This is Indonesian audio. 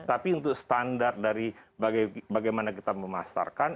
tapi untuk standar dari bagaimana kita memasarkan